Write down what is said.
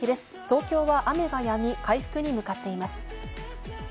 東京は雨がやみ、回復に向かっています。